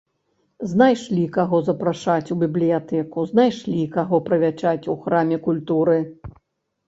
Знайшлі каго запрашаць у бібліятэку, знайшлі каго прывячаць у храме культуры!